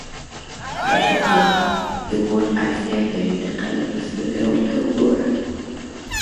وطن د مور حیثیت لري؛ د قدر په سترګه ور ته ګورئ!